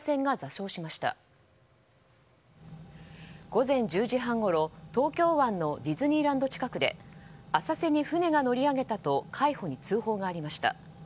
午前１０時半ごろ東京湾のディズニーランド近くで浅瀬に船が乗り上げたと海保に通報がありました。